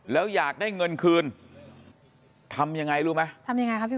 แล้วอยากได้เงินคืนทำยังไงรู้ไหม